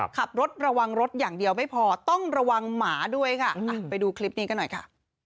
ขับรถระวังรถอย่างเดียวไม่พอต้องระวังหมาด้วยค่ะไปดูคลิปนี้กันหน่อยค่ะ